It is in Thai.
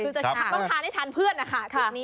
คือจะต้องทานให้ทานเพื่อนนะคะจุดนี้